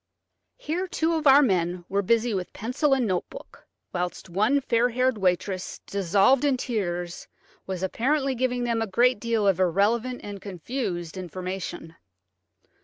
Here two of our men were busy with pencil and note book, whilst one fair haired waitress, dissolved in tears, was apparently giving them a great deal of irrelevant and confused information.